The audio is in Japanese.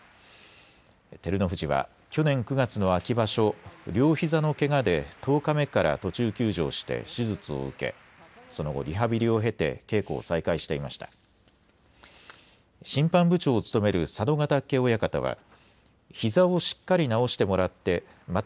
照ノ富士は去年９月の秋場所、両ひざのけがで１０日目から途中休場して手術を受けその後、リハビリを経て稽古を再開していました。